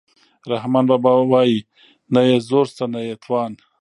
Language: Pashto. رحمان بابا وايي نه یې زور شته نه یې توان.